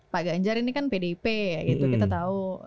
pak ganjar ini kan pdip gitu kita tau